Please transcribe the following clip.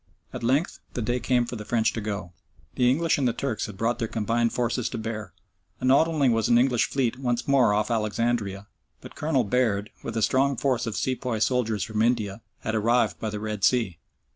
At length the day came for the French to go. The English and the Turks had brought their combined forces to bear, and not only was an English fleet once more off Alexandria, but Colonel Baird, with a strong force of Sepoy soldiers from India, had arrived by the Red Sea.